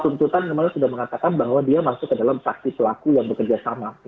tuntutan kemarin sudah mengatakan bahwa dia masuk ke dalam saksi pelaku yang bekerja sama